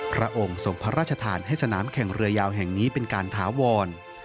พระองค์ส่งพระราชทานให้สนามแข่งเรือยาวแห่งนี้เป็นการถาวร